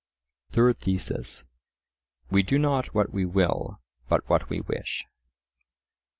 Third Thesis:— We do not what we will, but what we wish.